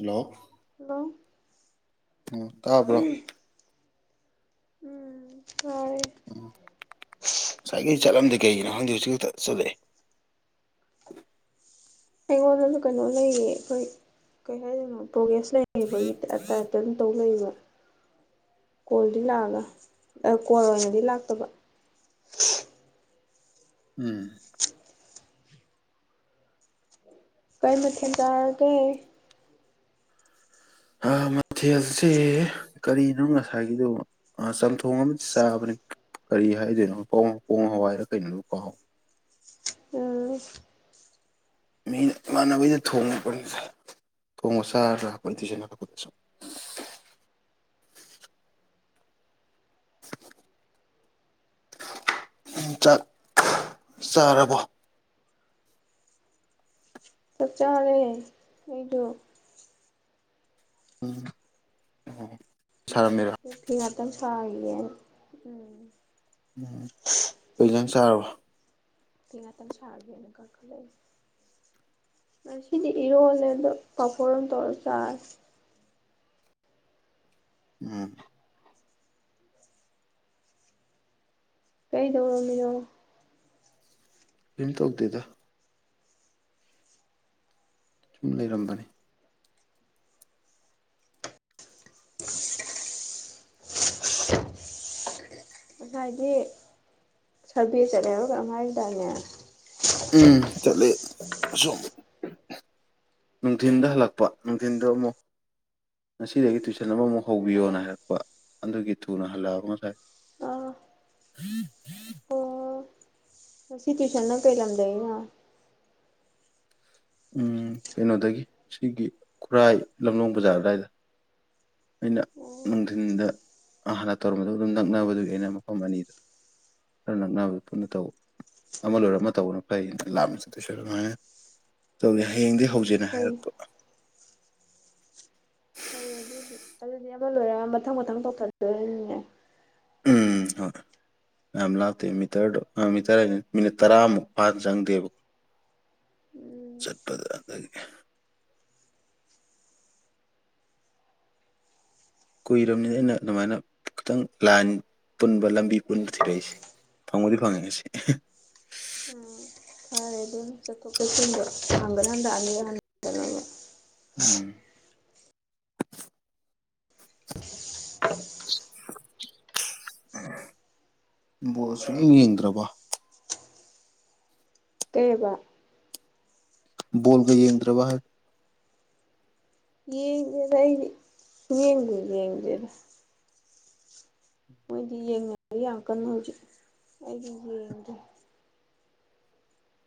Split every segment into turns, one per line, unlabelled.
Hello
hello
ꯎꯝ ꯇꯥꯕ꯭ꯔꯣ
ꯇꯥꯔꯦ
ꯎꯝ ꯉꯁꯥꯏꯈꯩ ꯆꯠꯂꯝꯗꯦ ꯀꯩꯒꯤꯅꯣ ꯈꯪꯗꯦ ꯍꯧꯖꯤꯛ ꯈꯛꯇ ꯇꯥ ꯆꯠꯂꯛꯑꯦ
ꯑꯩꯉꯣꯟꯗꯖꯨ ꯀꯩꯅꯣ ꯂꯩꯌꯦ ꯈꯣꯏ ꯀꯩ ꯍꯥꯏꯗꯣꯏꯅꯣ ꯄ꯭ꯔꯣꯒꯦꯁ ꯫ ꯂꯩꯕꯒꯤ ꯇꯥꯏꯞ ꯗꯨꯝ ꯇꯧ ꯂꯩꯕ ꯫ ꯀꯣꯜꯗꯤ ꯂꯥꯛꯑꯒ ꯑꯥ ꯀꯣꯜ ꯑꯣꯏꯅꯗꯤ ꯂꯥꯛꯇꯕ ꯫
ꯎꯝ ꯫
ꯀꯩ ꯃꯊꯦꯟ ꯆꯥꯔꯒꯦ ꯫
ꯑꯥ ꯃꯊꯦꯜꯁꯦ ꯀꯔꯤꯅꯣ ꯉꯁꯥꯏꯒꯤꯗꯨꯕꯣ ꯫ ꯑꯥ ꯆꯝꯊꯣꯡ ꯑꯃ ꯆꯥꯕꯅꯦ ꯀꯔꯤ ꯍꯥꯏꯗꯣꯏꯅꯣ ꯄꯣꯡ - ꯄꯣꯡ ꯍꯋꯥꯏꯔ ꯀꯩꯅꯣꯗꯣ ꯀꯥꯎ
ꯎꯝ
ꯃꯤꯅ ꯏꯃꯥꯟꯅꯕꯩꯗ ꯊꯣꯡꯉꯛꯄꯅꯤꯗꯥ ꯊꯣꯡꯕ ꯆꯥꯔ ꯍꯜꯂꯛꯄꯅꯤ ꯇꯨꯏꯁꯟ ꯍꯜꯂꯛ ꯄꯗꯁꯨ ꯫ [unintelligible] ꯎꯪ ꯆꯥꯛ ꯆꯥꯔꯕꯣ ꯫
ꯆꯥꯛ ꯆꯥꯔꯦ ꯑꯩꯗꯣ ꯫
ꯎꯝ ꯁꯥꯔꯝꯃꯤꯔꯣ ꯫
ꯐꯤ ꯉꯥꯛꯇꯪ ꯁꯥꯔꯝꯈꯤꯒꯦꯅ ꯎꯝ
ꯀꯩ ꯏꯟꯖꯥꯡ ꯆꯥꯔꯕꯥ꯫
ꯐꯤ ꯉꯥꯛꯇꯪ ꯁꯥꯔꯨꯒꯦꯅ ꯀꯈꯠꯂꯛꯏ ꯫ ꯉꯁꯤꯗꯤ ꯏꯔꯣꯜꯂꯦ ꯗꯣ ꯄꯥꯐꯣꯔ ꯑꯃ ꯇꯧꯔ ꯆꯥꯔꯦ ꯫
ꯎꯝ
ꯀꯩꯗꯧꯔꯝꯃꯤꯅꯣ ꯫
ꯀꯩꯝ ꯇꯧꯗꯦꯗ ꯫ ꯁꯨꯝ ꯂꯩꯔꯝꯕꯅꯦ ꯫ [unintelligible]
ꯉꯁꯥꯏꯗꯤ ꯁꯔꯕꯦ ꯆꯠꯂꯦ ꯍꯥꯏꯕ꯭ꯔ ꯀꯩꯅꯣꯝ ꯍꯥꯏꯒꯤꯗꯥꯏꯅꯦ ꯫
ꯎꯝ ꯆꯠꯂꯦ ꯑꯁꯣꯝ ꯅꯨꯡꯊꯤꯟꯗ ꯍꯜꯂꯛꯄ ꯅꯨꯡꯊꯤꯟꯗ ꯑꯃꯨꯛ ꯉꯁꯤꯗꯒꯤ ꯇꯨꯏꯁꯟ ꯑꯃꯃꯨꯛ ꯍꯧꯕꯤꯌꯣꯅ ꯍꯥꯏꯔꯛꯄ ꯫ ꯑꯗꯨꯒꯤ ꯊꯨꯅ ꯍꯜꯂ ꯑꯕꯥ ꯉꯁꯥꯏꯗꯣ
ꯑꯥ
[unintelligible]
ꯑꯣ ꯉꯁꯤ ꯇꯨꯏꯁꯟꯅ ꯀꯩ ꯂꯝꯗꯩꯩꯅꯣ ꯫
ꯎꯝ ꯀꯩꯅꯣꯗꯒꯤ ꯁꯤꯒꯤ ꯈꯨꯔꯥꯏ ꯂꯝꯂꯣꯡ ꯕꯖꯥꯔ ꯑꯗꯥꯏꯗ ꯫ ꯑꯩꯅ
ꯎꯝ
ꯅꯨꯡꯙꯤꯟꯗ ꯍꯥꯟꯅ ꯇꯧꯔꯝꯕꯗꯨꯒ ꯅꯛꯅꯕꯗꯨꯒꯤ ꯑꯩꯅ ꯃꯐꯝ ꯑꯅꯤ ꯈꯔ ꯅꯛꯅꯕꯗꯨ ꯄꯨꯟꯅ ꯇꯧ ꯑꯃ ꯂꯣꯏꯔ ꯑꯃ ꯇꯧꯕꯅ ꯐꯩ ꯂꯥꯞꯅ ꯆꯠꯇꯣꯏ ꯁꯔꯨꯛ ꯑꯗꯨꯃꯥꯏꯅꯥ ꯇꯧꯗꯦ ꯍꯌꯦꯡꯗꯩꯩ
ꯎꯝ
ꯍꯧꯖꯦꯅ
ꯐꯩ
ꯍꯥꯏꯔꯛꯄ ꯫
ꯐꯩ ꯑꯗꯨ ꯫ ꯑꯗꯨꯗꯤ ꯑꯃ ꯂꯣꯏꯔ ꯃꯊꯪ - ꯃꯊꯪ ꯇꯧꯊꯗꯣꯏꯅꯤꯅꯦ ꯫
ꯎꯝ ꯍꯣꯏ ꯫ ꯌꯥꯝ ꯂꯥꯞꯇꯦ ꯃꯤꯇꯔꯗꯣ ꯑꯥ ꯃꯤꯇꯔ ꯍꯥꯌꯖꯤꯅꯤ ꯃꯤꯅꯠ ꯇꯔꯥꯃꯨꯛ ꯐꯥꯅ ꯆꯪꯗꯦꯕ ꯫
ꯎꯝ
ꯆꯠꯄꯗ ꯑꯩ ꯫ ꯀꯨꯏꯔꯃꯅꯤ ꯑꯩꯅ ꯑꯗꯨꯃꯥꯏꯅ ꯈꯤꯇꯪ ꯂꯥꯏꯟ ꯄꯨꯟꯕ ꯂꯝꯕꯤ ꯄꯨꯟꯕ ꯊꯤꯔꯛ ꯏꯁꯦ ꯫ ꯐꯪꯕꯨꯗꯤ ꯐꯪꯉꯦ ꯉꯁꯤ [unintelligible] ꯫
[unintelligible] ꯐꯔꯦ ꯑꯗꯨꯅ ꯆꯠꯊꯣꯛ ꯆꯟꯁꯤꯟꯗꯣ ꯍꯪꯒꯠ ꯍꯟꯗ ꯑꯅꯤꯔꯛ ꯍꯟ
ꯎꯝ [inaudible] ꯫
[unintelligible]
[unintelligible] ꯕꯣꯜ ꯁꯨꯡꯌꯦꯡ ꯌ‌ꯦꯡꯗ꯭ꯔꯕꯣ ꯫
ꯀꯩ ꯑꯕꯥ ꯫
ꯕꯣꯜꯒ ꯌꯦꯡꯗ꯭ꯔꯕ ꯍꯥꯏ
ꯌꯦꯡꯗ꯭ꯔꯦꯗ ꯑꯩ ꯁꯨꯡꯌꯦꯡꯕꯨ ꯌꯦꯡꯗꯦꯗ ꯫ ꯑꯩꯗꯤ ꯌꯦꯡ [inaudible] ꯌꯥꯝ ꯀꯟꯅ ꯍꯧꯖꯤꯛ ꯑꯩꯗꯤ ꯌꯦꯡꯗ꯭ꯔꯦ ꯫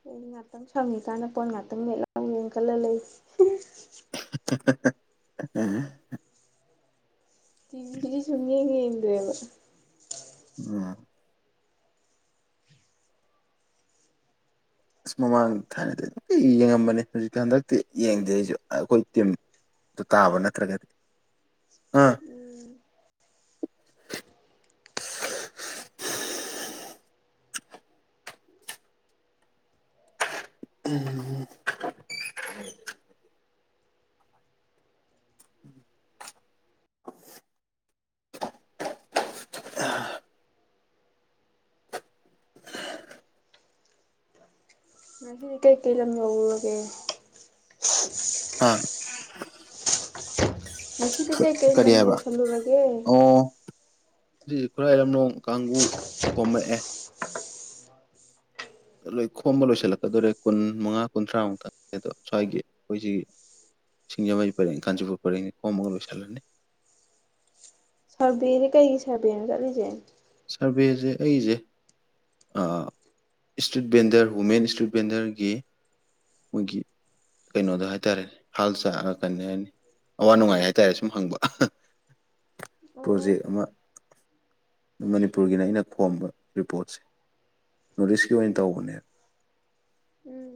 ꯑꯩ ꯉꯥꯛꯇꯪ ꯁꯪꯉꯤꯀꯥꯟꯅ ꯄꯣꯠ ꯉꯥꯛꯇꯪ ꯃꯦꯠꯂ [inaudible] ꯑꯃꯨꯛꯃꯨꯛ ꯈꯜꯂ ꯂꯩ꯫ [unintelligible]
[unintelligible]
ꯇꯤꯕꯤꯗꯤ ꯆꯨꯛꯌ‌ꯦꯡ ꯌꯦꯡꯗ꯭ꯔ‌ꯦꯕ
ꯎꯝ ꯑꯁ ꯃꯃꯥꯡ ꯊꯥꯅꯗ ꯌꯦꯡꯉꯝꯕꯅꯦ ꯍꯧꯖꯤꯛ ꯍꯟꯗꯛꯇꯤ ꯌꯦꯡꯗꯦ ꯑꯩꯁꯨ ꯑꯩꯈꯣꯏ ꯇꯤꯝ ꯑꯗꯨ ꯇꯥꯕ ꯅꯠꯇ꯭ꯔꯒꯗꯤ ꯑꯥ
ꯎꯝ
ꯎꯝ
ꯉꯁꯤꯗꯤ ꯀꯩ ꯀꯩ ꯂꯝ ꯌꯧꯔꯨꯔꯒꯦ
ꯍꯥ
ꯉꯁꯤ ꯀꯩ ꯀꯩ
ꯀꯔꯤ
ꯂꯝ
ꯍꯥꯏꯕ
ꯍꯧꯁꯤꯜꯂꯨꯔꯒꯦ
ꯍꯧꯖꯤꯛꯁꯤ ꯈꯨꯔꯥꯏ ꯂꯝꯂꯣꯡ ꯀꯥꯡꯕꯨ ꯈꯣꯝꯃꯛꯑꯦ ꯂꯣꯏ ꯈꯣꯝꯕ ꯂꯣꯏꯁꯤꯜꯂꯛꯀꯗꯣꯔꯦ ꯀꯨꯟ ꯃꯉꯥ ꯀꯨꯟꯊ꯭ꯔꯥꯃꯨꯛꯇꯪꯅꯦ ꯑꯗꯣ ꯁ꯭ꯋꯥꯏꯒꯤ ꯑꯩꯈꯣꯏꯁꯤꯒꯤ ꯁꯤꯡꯖꯃꯩ ꯄꯔꯦꯡ ꯀꯥꯟꯆꯤꯄꯨꯔ ꯄꯔꯦꯡꯅꯤ ꯀꯣꯝꯃꯒ ꯂꯣꯏꯁꯤꯜꯂꯅꯤ
ꯁꯔꯚꯦꯗꯤ ꯀꯩꯒꯤ ꯁꯔꯕꯦꯅ ꯆꯠꯂꯤꯁꯦ
ꯁꯥꯔꯚꯦꯁꯦ ꯑꯩꯁꯦ ꯏꯁꯇ꯭ꯔꯤꯠ ꯕꯦꯟꯗꯔ ꯍꯋꯨꯃꯦꯟ ꯏꯁꯇ꯭ꯔꯤꯠ ꯕꯦꯟꯗꯔꯒꯤ ꯃꯣꯏꯒꯤ ꯀꯩꯅꯣꯗ ꯍꯥꯏꯇꯥꯔꯦꯅꯦ ꯍꯥꯜ ꯆꯥꯛꯑꯒ ꯀꯟꯅꯅꯤ ꯑꯋꯥ ꯅꯨꯡꯉꯥꯏ ꯍꯥꯏꯇꯥꯔꯦ ꯁꯨꯝ ꯍꯪꯕ
ꯑꯣ
ꯄ꯭ꯔꯣꯖꯦꯛ ꯑꯃ ꯃꯅꯤꯄꯨꯔꯒꯤꯅ ꯑꯩꯅ ꯈꯣꯝꯕ ꯔꯤꯄꯣꯠꯁꯦ ꯅꯣꯔꯠꯏꯁꯠꯀꯤ ꯑꯣꯏꯅ ꯇꯧꯕꯅꯦ
ꯎꯝ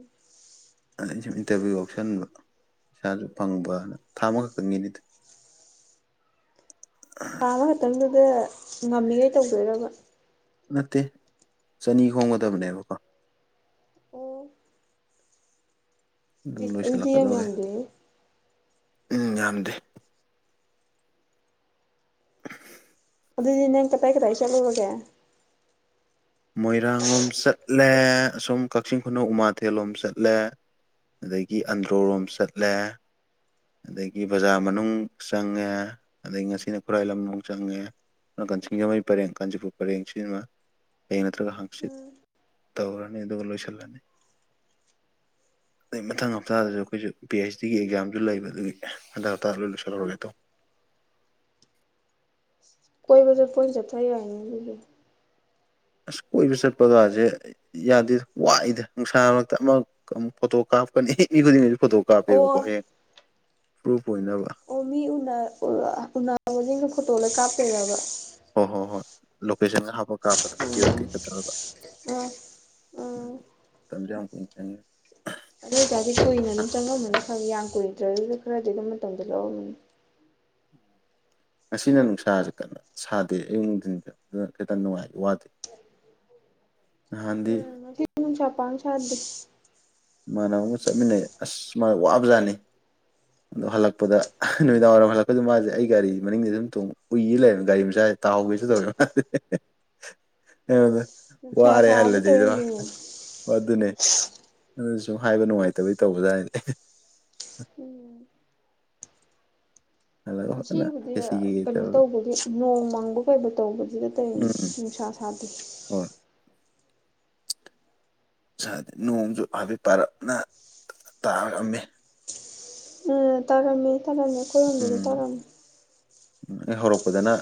ꯑꯩ ꯁꯨꯝ ꯏꯟꯇꯔꯚꯤꯌꯨ ꯌꯥꯎꯁꯟꯕ ꯏꯁꯥꯁꯨ ꯐꯪꯕꯅ ꯊꯥꯃ ꯈꯛꯇꯪꯒꯤꯅꯤꯗꯤ
ꯑꯃꯥꯛꯇꯪꯗꯨꯗ ꯉꯝꯃꯤꯈꯩ ꯇꯧꯗꯣꯏꯔꯕ
ꯅꯠꯇꯦ ꯆꯅꯤ ꯈꯣꯡꯒꯗꯕꯅꯦꯕꯀꯣ ꯑꯗꯨ
ꯑꯦ ꯑꯗꯨꯗꯤ ꯌꯥꯝ
ꯂꯣꯏꯁꯤꯜꯂꯛꯀꯗꯧꯔꯦ
ꯌꯥꯝꯗꯦꯍꯦ
ꯎꯝ ꯌꯥꯝꯗꯦ
ꯑꯗꯨꯗꯤ ꯅꯪ ꯀꯗꯥꯏ ꯀꯗꯥꯏ ꯆꯠꯂꯨꯔꯒꯦ
ꯃꯣꯏꯔꯥꯡ ꯂꯣꯝ ꯆꯠꯂꯦ ꯑꯁꯨꯝ ꯀꯛꯆꯤꯡ ꯈꯨꯅꯧ ꯎꯃꯥꯊꯦꯜꯂꯣꯝ ꯆꯠꯂꯦ ꯑꯗꯒꯤ ꯑꯟꯗ꯭ꯔꯣ ꯔꯣꯝ ꯆꯠꯂꯦ ꯑꯗꯒꯤ ꯕꯖꯥꯔ ꯃꯅꯨꯡ ꯆꯪꯉꯦ ꯑꯗꯒꯤ ꯉꯁꯤꯅ ꯈꯨꯔꯥꯏ ꯂꯝꯂ‌ꯣꯡ ꯆꯪꯉꯦ ꯅꯅꯥꯀ ꯁꯤꯡꯖꯃꯩ ꯄꯔꯦꯡ ꯀꯥꯟꯆꯤꯄꯨꯔ ꯄꯔꯦꯡ ꯁꯤꯃ ꯍꯌ‌ꯦꯡ ꯅꯠꯇ꯭ꯔꯒ ꯍꯪꯆꯤꯠ ꯇꯧꯔꯅꯤ ꯑꯗꯨꯒ ꯂꯣꯏꯁꯤꯜꯂꯅꯤ ꯑꯗ ꯃꯊꯪ ꯍꯞꯇꯥꯗꯁꯨ ꯑꯩꯈꯣꯏꯁꯨ ꯄꯤ ꯑꯩꯩꯆ ꯗꯤꯒꯤ ꯑꯦꯛꯖꯥꯝꯁꯨ ꯂꯩꯕ ꯑꯗꯨꯒꯤ ꯍꯟꯗꯛ ꯍꯞꯇꯥꯗ ꯂꯣꯏ ꯂꯣꯏꯁꯤꯜꯍꯧꯔꯒꯦ ꯇꯧ__
[unintelligible]
ꯑꯁ ꯀꯣꯏꯕ ꯆꯠꯄꯒꯁꯦ ꯌꯥꯗꯦꯗ ꯋꯥꯏꯗ ꯅꯨꯡꯁꯥ ꯃꯔꯛꯇ ꯑꯃ ꯑꯃꯨꯛ ꯐꯣꯇꯣ ꯀꯥꯞꯀꯅꯤ ꯃꯤ ꯈꯨꯗꯤꯡꯒꯤꯁꯨ ꯐꯣꯇꯣ ꯀꯥꯞꯄꯦꯕꯀꯣ
ꯑꯣ
ꯍꯌꯦꯡ ꯄ꯭ꯔꯨꯐ ꯑꯣꯏꯅꯕ
ꯑꯣ ꯃꯤ ꯎꯅꯥ ꯎꯅꯕꯁꯤꯡꯗꯣ ꯐꯣꯇꯣ ꯂꯣꯏ ꯀꯥꯞꯇꯨꯏꯔꯕ
ꯍꯣꯏ ꯍꯣꯏ ꯍꯣꯏ ꯂꯣꯀꯦꯁꯟꯒ ꯍꯥꯞ ꯀꯞꯥꯄꯗꯣ
ꯑꯥ ꯑꯥ
[inaudible]
ꯑꯗꯨ ꯑꯣꯏꯇꯥꯔꯗꯤ ꯀꯨꯏꯅ ꯑꯗꯨꯝ ꯆꯪꯉꯝꯃꯅꯤ ꯈꯪꯉꯦ ꯌꯥꯝ ꯀꯨꯏꯗ꯭ꯔꯒꯁꯨ ꯈꯔꯗꯤ ꯑꯗꯨꯝ ꯃꯇꯝꯗꯣ ꯂꯧꯔꯝꯃꯅꯤ
ꯉꯁꯤꯅ ꯅꯨꯡꯁꯥꯁꯤ ꯀꯟꯅ ꯁꯥꯗꯦ ꯑꯌꯨꯛ ꯅꯨꯡꯗꯤꯟ ꯑꯗꯨꯅ ꯈꯤꯇꯪ ꯅꯨꯡꯉꯥꯏ ꯋꯥꯗꯦ ꯅꯍꯥꯟꯗꯤ
ꯎꯝ ꯉꯁꯤ ꯅꯨꯡꯁꯥ ꯄꯥꯛꯅ ꯁꯥꯗꯦ
ꯏꯃꯥꯟꯅꯕ ꯑꯃꯒ ꯆꯠꯃꯤꯟꯅꯩ ꯑꯁ ꯃꯥ ꯋꯥꯕ ꯖꯥꯠꯅꯤ ꯑꯗꯣ ꯍꯜꯂꯛꯄꯗ ꯅꯨꯃꯤꯗꯥꯡ ꯋꯥꯏꯔꯝ ꯍꯜꯂꯛꯄꯗ ꯃꯥꯁꯦ ꯑꯩ ꯒꯥꯔꯤ ꯃꯅꯤꯡꯗ ꯑꯗꯨꯝ ꯇꯣꯡꯉ ꯎꯏ ꯂꯩꯔꯝꯃꯤ ꯒꯥꯔꯤ ꯃꯆꯥ ꯇꯥꯍꯧꯒꯦꯁꯨ ꯇꯧꯋꯦ
ꯅꯨꯡꯁꯥ
ꯋꯥꯔꯦ
ꯁꯥꯕꯗꯨꯗ
ꯍꯜꯂꯁꯤꯔꯣ
ꯑꯣꯏꯔꯝꯅꯤꯌꯦ
ꯑꯗꯨꯅꯦ ꯑꯗꯨ ꯁꯨꯝ ꯍꯥꯏꯕ ꯅꯨꯡꯉꯥꯏꯇꯕꯩ ꯇꯧꯕ ꯖꯥꯠꯅꯦ
ꯎꯝ
ꯍꯜꯂꯒ ꯐꯖꯅ
ꯉꯁꯤꯕꯨꯗꯤ
ꯈꯦꯆꯤ ꯀꯩꯀꯩ
ꯀꯩꯅꯣ
ꯇꯧꯔꯒ
ꯇꯧꯕꯒꯤ ꯅꯣꯡ ꯃꯪꯕꯣꯏ ꯀꯩꯕꯣꯏ ꯇꯧꯕꯗꯤꯗ ꯇꯧꯔꯤꯅꯤ
ꯎꯝ
ꯅꯨꯡꯁꯥ ꯁꯥꯗꯦ
ꯍꯣꯏ ꯗꯤ ꯅꯣꯡꯁꯨ ꯍꯥꯏꯐꯦꯠ ꯄꯥꯔꯞꯅ ꯇꯥꯔꯛꯑꯝꯃꯦ
ꯎꯝ ꯇꯧꯔꯝꯃꯦ ꯇꯧꯔꯝꯃꯦ ꯈꯣꯏ ꯌꯨꯝꯗꯁꯨ ꯇꯧꯔꯝꯃꯦ
ꯎꯝ ꯑꯩ ꯍꯧꯔꯛꯄꯗꯅ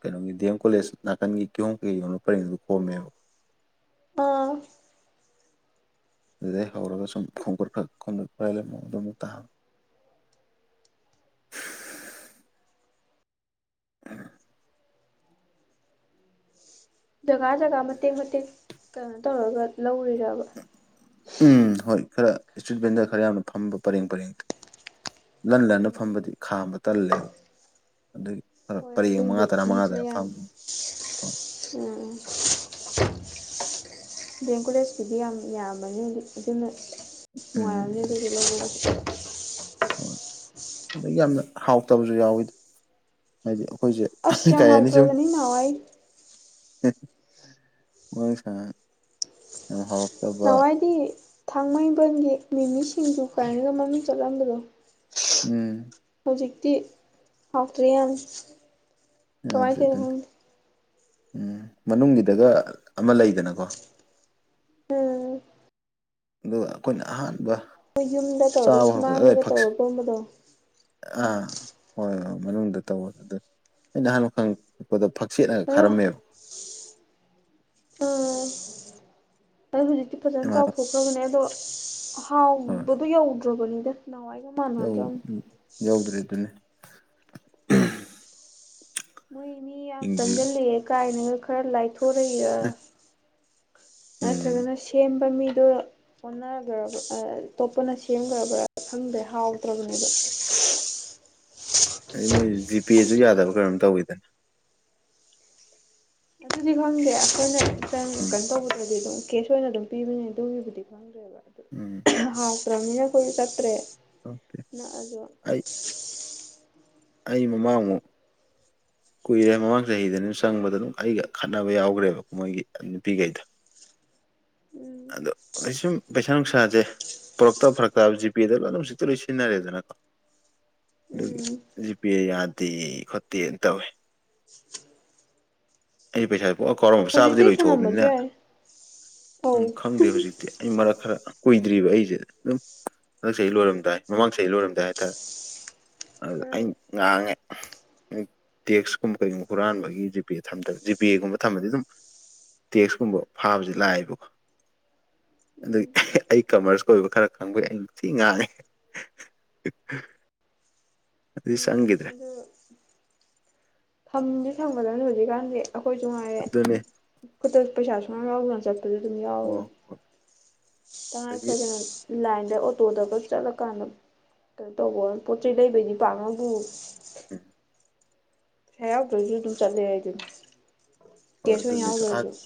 ꯀꯩꯅꯣꯒꯤ ꯗꯤ ꯑꯦꯝ ꯀꯣꯂꯦꯖ ꯅꯥꯀꯟꯒꯤ ꯀꯤꯍꯣꯝ ꯀꯩ ꯌꯣꯟꯕ ꯄꯔꯤꯡꯗꯨꯗ ꯈꯣꯝꯃꯦꯕꯀꯣ
ꯑꯥ
ꯑꯗꯨꯗꯩ ꯍꯧꯔꯒ ꯁꯨꯝ ꯈꯣꯡꯀꯠ [unintelligible] ꯎ
ꯖꯒꯥ ꯖꯒꯥ ꯃꯇꯦꯛ ꯃꯇꯦꯛ ꯀꯩꯅꯣ ꯇꯧꯔꯒ ꯂꯧꯔꯤꯔꯕ
ꯎꯝ ꯍꯣꯏ ꯈꯔ ꯏꯁꯇ꯭ꯔꯤꯠ ꯚꯦꯟꯗꯔ ꯈꯔ ꯌꯥꯝꯅ ꯐꯝꯕ ꯄꯔꯦꯡ ꯄꯔꯦꯡ ꯂꯟ ꯂꯟꯅ
ꯎꯝ
ꯐꯝꯕꯗꯤ ꯈꯥꯝꯕ ꯇꯜꯂꯦꯕ ꯑꯗꯨꯒꯤ ꯈꯔ
ꯍꯣꯏ
ꯄꯔꯦꯡ
ꯑꯗꯨꯒꯤ
ꯃꯉꯥ ꯇꯔꯥ
ꯃꯤ
ꯃꯉꯥ
ꯈꯔ
ꯇꯔꯥ ꯐ
ꯌꯥꯝ ꯎꯝ ꯗꯤ ꯑꯦꯝ ꯀꯣꯂꯦꯖꯀꯤꯗꯤ ꯌꯥꯝ ꯌꯥꯝꯕꯅꯤ ꯑꯗꯨꯅ ꯅꯨꯡꯉꯥꯏꯔꯝꯅꯤ
ꯎꯝ
ꯑꯗꯨꯒꯤ ꯂꯧ
ꯍꯣꯏ ꯑꯗꯩ ꯌꯥꯝꯅ ꯍꯥꯎꯇꯕꯁꯨ ꯌꯥꯎꯋꯤꯗ ꯍꯥꯏꯗꯤ ꯑꯩꯈꯣꯏꯁꯦ
ꯑꯁ ꯌꯥꯝ
ꯀꯩ ꯍꯥꯏꯅꯤ ꯁꯨꯝ
ꯍꯥꯎꯇ꯭ꯔꯕꯅꯤ ꯅꯍꯥꯟꯋꯥꯏ
[unintelligible]
ꯅꯍꯥꯟꯋꯥꯏꯗꯤ ꯊꯥꯡꯃꯩꯕꯟꯒꯤ ꯃꯤꯃꯤꯁꯤꯡꯖꯨ ꯀꯥꯏꯅꯒ ꯃꯃꯤꯡ ꯆꯠꯂꯝꯕꯗꯣ
ꯎꯝ
ꯍꯧꯖꯤꯛꯇꯤ ꯍꯥꯥꯎꯇ꯭ꯔꯦ
ꯌꯥꯗ꯭ꯔꯦ ꯑꯗꯨꯅꯤ ꯎꯝ ꯃꯅꯨꯡꯒꯤꯗꯒ ꯑꯃ ꯂꯩꯗꯅꯀꯣ
ꯎꯝ
ꯑꯗꯨꯒ ꯑꯩꯈꯣꯏꯅ ꯑꯍꯥꯟꯕ
ꯃꯣꯏ ꯌꯨꯝꯗ ꯇꯧꯔꯒ
ꯆꯥꯕ ꯍꯧꯔꯛꯄꯗ ꯑꯗꯨꯋꯥꯏ
ꯁꯨꯃꯥꯡꯗꯒ
ꯐꯛꯁ
ꯇꯧꯔꯒꯨꯝꯕꯗꯣ
ꯑꯥ ꯍꯣꯏ ꯍꯣꯏ ꯃꯅꯨꯡꯗ ꯇꯧꯕ ꯑꯗꯨ ꯑꯩꯅ ꯑꯍꯥꯟꯕ ꯈꯪꯉꯛ ꯄꯗ ꯐꯛꯆꯦꯠꯅꯒ
ꯑꯗꯣ
ꯈꯔꯝꯃꯦꯕ
ꯑꯩ ꯍꯧꯖꯤꯛꯇꯤ ꯐꯖꯅ
ꯏꯃꯥ
ꯆꯥꯎꯊꯣꯛꯈ꯭ꯔꯕꯅꯦ ꯑꯗꯣ
ꯍꯣꯏ
ꯍꯥꯎꯕꯗꯣ ꯌꯧꯗ꯭ꯔꯕꯅꯤꯗ ꯅꯥꯋꯥꯏꯒ ꯃꯥꯟ
ꯌꯧ ꯎꯝ ꯌꯧꯗ꯭ꯔꯦ ꯗꯨꯅꯤ
ꯃꯣꯏ ꯃꯤ ꯌꯥꯝ
ꯆꯤꯡꯁꯤ
ꯆꯪꯁꯤꯜꯂꯛꯑꯦ ꯀꯥꯏꯅꯒ ꯈꯔ ꯂꯥꯏꯊꯣꯔꯛꯏꯔ
ꯎꯝ
ꯅꯠꯇ꯭ꯔꯒꯅ ꯁꯦꯝꯕ ꯃꯤꯗꯣ ꯑꯣꯟꯅꯒ꯭ꯔꯕ ꯑꯇꯣꯞꯄꯅ ꯁꯦꯝꯈ꯭ꯔꯕ꯭ꯔꯥ ꯈꯪꯗ꯭ꯔꯦ ꯍꯥꯎꯇ꯭ꯔꯕꯅꯦꯕ
ꯑꯩ ꯃꯣꯏ ꯖꯤꯄꯦꯁꯨ ꯌꯥꯗꯕ ꯀꯔꯝ ꯇꯧꯋꯤꯗꯅ
ꯑꯗꯨꯗꯤ ꯈꯪꯗꯦ ꯑꯩꯈꯣꯏꯅꯇꯪ
ꯎꯝ
ꯀꯩꯅꯣ ꯇꯧꯕꯗꯗꯤ ꯑꯗꯨꯝ ꯀꯦꯁ ꯑꯣꯏꯅ ꯑꯗꯨꯝ ꯄꯤꯕꯅꯦ ꯑꯗꯨꯒꯤꯕꯨꯗꯤ ꯈꯪꯗꯦꯕ ꯑꯗꯨ
ꯎꯝ
ꯍꯥꯎꯇ꯭ꯔꯃꯤꯅ ꯑꯈꯣꯏꯖꯨ ꯆꯠꯇ꯭ꯔꯦ
ꯇꯧꯗꯦ
ꯅꯛꯑꯖꯨ
ꯑꯩ ꯑꯩ ꯃꯃꯥꯡꯃꯨꯛ ꯀꯨꯏꯔꯦ ꯃꯃꯥꯡ ꯆꯍꯤꯗꯅꯦ ꯆꯪꯕꯗꯣ ꯑꯗꯨꯝ ꯑꯩꯒ ꯈꯠꯅꯕ ꯌꯥꯎꯈ꯭ꯔꯦꯕ ꯃꯣꯏꯒꯤ ꯅꯨꯄꯤꯒꯩꯗꯣ
ꯎꯝ
ꯑꯗꯣ ꯑꯩꯁꯨꯝ ꯄꯩꯁꯥ ꯅꯨꯡꯁꯥꯥꯖꯦ ꯄꯣꯔꯛꯇꯧ ꯐꯔꯛꯇꯥꯕ ꯖꯤꯄꯦꯗ ꯂꯣꯏꯅ ꯍꯧꯖꯤꯛꯇꯤ ꯂꯣꯏ ꯁꯤꯖꯤꯟꯅꯔꯦꯗꯅꯀꯣ ꯑꯗꯨꯒꯤ
ꯎꯝ
ꯖꯤꯄꯦ ꯌꯥꯗꯦ ꯈꯣꯠꯇꯦꯅ ꯇꯧꯋꯦ ꯑꯩ ꯄꯩꯁꯥꯥꯖꯦ ꯄꯣꯛꯑ ꯀꯥꯎꯔꯝꯃꯕ
ꯍꯧꯖꯤꯛꯇꯤ
ꯆꯥꯕꯗꯤ
ꯊꯅꯝꯕꯁꯨ
ꯂꯣꯏꯊꯣꯛꯑꯕꯅꯤꯅ
ꯌꯥꯏ ꯑꯧ
ꯎꯝ ꯈꯪꯗꯦ ꯍꯧꯖꯤꯛꯇꯤ ꯑꯩ ꯃꯔꯛ ꯈꯔ ꯀꯨꯏꯗ꯭ꯔꯤꯕ ꯑꯩꯁꯦ ꯑꯗꯨꯝ ꯍꯟꯗꯛ ꯆꯍꯤ ꯂꯣꯏꯔꯝꯗꯥꯏ ꯃꯃꯥꯡ ꯆꯍꯤ ꯂꯣꯏꯔꯝꯗꯥꯏ ꯍꯥꯏꯇꯥꯔꯦ ꯑꯗꯨꯗ ꯑꯩ
ꯎꯝ
ꯉꯥꯡꯉꯦ ꯇꯦꯛꯁꯀꯨꯝꯕ ꯀꯩꯒꯨꯝꯕ ꯍꯨꯔꯥꯟꯕꯒꯤ ꯖꯤꯄꯦꯗ ꯊꯝꯗꯕ ꯖꯤꯄꯦꯒꯨꯝꯕ ꯊꯝꯃꯗꯤ ꯑꯗꯨꯝ ꯇꯦꯛꯁꯀꯨꯝꯕ ꯐꯥꯕꯁꯤ ꯂꯥꯏꯕꯀꯣ ꯑꯗꯨꯏ
ꯎꯝ
ꯑꯩ ꯀꯃꯔꯁ ꯀꯣꯏꯕ ꯈꯔ ꯈꯪꯕꯩ ꯑꯩꯟ ꯊꯤ ꯉꯥꯡꯉꯦ [unintelligible] ꯑꯗꯨ
ꯎꯝ
ꯆꯪꯒꯤꯗ꯭ꯔꯦ
[unintelligible] ꯊꯝꯗꯤ ꯊꯪꯒꯗꯕꯅꯦ ꯍꯧꯖꯤꯛꯀꯥꯟꯗꯤ ꯑꯩꯈꯣꯏꯁꯨ ꯉꯥꯏꯔꯦ
ꯑꯗꯨꯅꯦ
ꯈꯨꯠꯇ ꯄꯩꯁꯥ ꯁꯨꯡꯌ ꯌꯥꯎꯗꯅ ꯆꯠꯄ [unintelligible] ꯗꯨꯝ
ꯑꯣ
ꯌꯥꯎꯔꯅꯤ
ꯍꯣꯏ
ꯇꯉꯥꯏ
ꯑꯗꯒꯤ
ꯐꯗꯅ ꯂꯥꯏꯟꯗ ꯑꯣꯇꯣꯗꯒ ꯆꯠꯂꯀꯥꯟꯗ ꯀꯩꯅꯣ ꯇꯧꯕ ꯄꯣꯠ ꯆꯩ ꯂꯩꯕꯩꯗꯤ ꯄꯥꯛꯅꯕꯨ
[unintelligible]
ꯄꯩꯥꯁꯥ ꯌꯥꯎꯗ꯭ꯔꯁꯨ ꯑꯗꯨꯝ ꯆꯠꯂꯦ ꯑꯩꯗꯤ
ꯍꯣꯏ
ꯀꯦꯁ ꯑꯣꯏꯅ
ꯑꯗꯨꯅꯤꯁꯨ ꯑꯥ
ꯌꯥꯎꯗ꯭ꯔꯁꯨ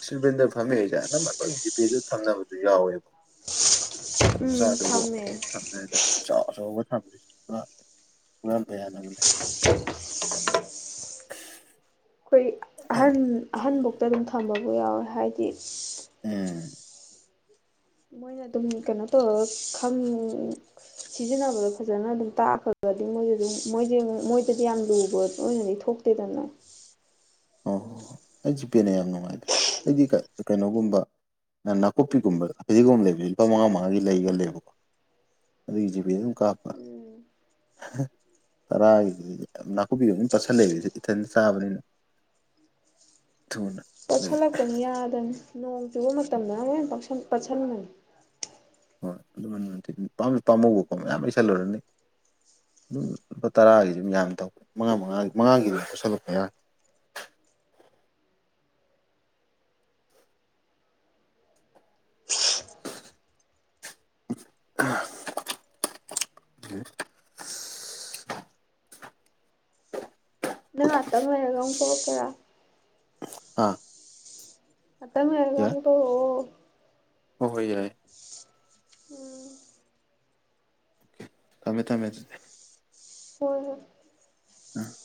ꯏꯁꯇ꯭ꯔꯤꯠ ꯕꯦꯟꯗꯔ ꯐꯝꯃꯤꯉꯩꯁꯦ ꯑꯅꯝꯕ ꯂꯣꯏ ꯖꯤꯄꯦꯁꯨ ꯊꯝꯅꯕꯁꯨ ꯌꯥꯎꯋꯦꯕ ꯑꯞ
ꯎꯝ
ꯆꯥꯗ꯭ꯔꯕꯣ
ꯊꯝꯃꯦ
ꯊꯝꯃꯦ ꯑꯗꯨꯝ ꯆꯥꯁ ꯇꯧꯔꯒ ꯊꯝꯕꯁꯦ ꯄꯨꯔ ꯍꯨꯔꯥꯟꯕ ꯌꯥꯗꯕꯅꯦ
ꯑꯩꯈꯣꯏ ꯑꯍꯟ ꯑꯍꯟꯕꯧꯇ ꯑꯗꯨꯝ ꯊꯝꯕꯕꯨ ꯌꯥꯎꯋꯦ ꯍꯥꯏꯗꯤ
ꯎꯝ
ꯃꯣꯏꯅ ꯑꯗꯨꯝ ꯀꯩꯅꯣ ꯇꯧꯔꯒ ꯈꯪ ꯁꯤꯖꯤꯟꯅꯕꯗꯣ ꯐꯖꯅ ꯑꯗꯨꯝ ꯇꯥꯛꯈ꯭ꯔꯒꯗꯤ ꯃꯣꯏꯁꯦ ꯑꯗꯨꯝ ꯃꯣꯏꯁꯦꯉꯨ ꯃꯣꯏꯗꯗꯤ ꯌꯥꯝ ꯂꯨꯕ ꯑꯣꯏꯅꯗꯤ ꯊꯣꯛ ꯇꯦꯗꯅ
ꯑꯣ ꯑꯩ ꯖꯤꯄꯦꯅ ꯌꯥꯝ ꯅꯨꯡꯉꯥꯏꯗ ꯑꯩꯗꯤ ꯀꯩꯅꯣꯒꯨꯝꯕ ꯅ ꯅꯥꯀꯨꯞꯄꯤꯒꯨꯝꯕ ꯐꯗꯤꯒꯣꯝ ꯂꯩꯕꯖꯦ ꯂꯨꯄꯥ ꯃꯉꯥ ꯃꯉꯥꯒꯤ ꯂꯩꯒꯜ ꯂꯦꯕꯀꯣ ꯑꯗꯨꯒꯤ ꯖꯤꯄꯦꯗ ꯑꯗꯨꯝ ꯀꯥꯞꯄ
ꯎꯝ
ꯇꯔꯥꯒꯤꯗꯨꯗꯤ ꯌꯥꯝ ꯅꯥꯀꯨꯞꯄꯤꯒꯗꯤ ꯗꯨꯝ ꯄꯠꯁꯜꯂꯛꯑꯦ ꯏꯊꯟ ꯆꯥꯕꯅꯤꯅ ꯊꯨꯅ ꯑꯗꯒꯤ
ꯄꯠꯁꯜꯂꯛꯄꯅꯤ ꯌꯥꯗꯃꯤ ꯅꯣꯡ ꯆꯨꯕ ꯃꯇꯝꯗꯅ ꯑꯃꯨꯛꯍꯦꯟ ꯄꯠꯁꯜ ꯄꯠꯁꯟꯕꯅꯤ
ꯍꯣꯏ ꯑꯗꯨ ꯃꯅꯝ ꯅꯝꯊꯤ ꯄꯥꯝꯖꯨ ꯄꯥꯝꯃꯨꯕꯀꯣ ꯃꯌꯥꯝ ꯂꯩꯁꯜꯂꯨꯔꯅꯤ ꯑꯗꯨꯝ ꯂꯨꯄꯥ ꯇꯔꯥꯒꯤꯗꯨꯝ ꯃꯌꯥꯝ ꯇꯧ ꯃꯉꯥ ꯃꯉꯥꯒꯤ ꯃꯉꯥꯒꯤ ꯑꯗꯨ ꯄꯠꯁꯜꯂꯛꯄ ꯌꯥꯏ [inaudible] [unintelligible]
ꯅꯪ ꯉꯥꯛꯇꯪ ꯂꯩꯔꯒ ꯑꯃꯨꯛ ꯇꯧꯔꯛꯀꯦꯔ
ꯑꯥ
ꯉꯥꯛꯇꯪ ꯂꯩꯔꯒ
ꯌꯥꯏ
ꯑꯃꯨꯛ ꯇꯧꯔꯛꯑꯣ
ꯍꯣꯏ ꯍꯣꯏ ꯌꯥꯏ
ꯎꯝ
ꯊꯝꯃꯦ ꯊꯝꯃꯦ ꯑꯗꯨꯗꯤ
ꯍꯣꯏ ꯍꯣꯢ
ꯎꯝ